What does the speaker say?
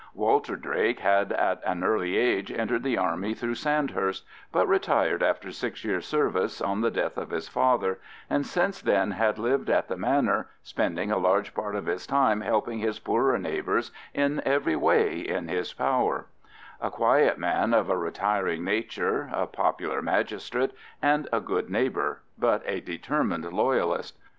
Walter Drake had at an early age entered the army through Sandhurst, but retired after six years' service on the death of his father, and since then had lived at the Manor, spending a large part of his time helping his poorer neighbours in every way in his power: a quiet man of a retiring nature, a popular magistrate, and a good neighbour, but a determined Loyalist.